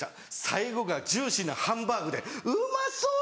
最後がジューシーなハンバーグで「うまそう！」